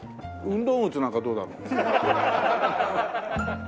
運動靴なんかどうだろう？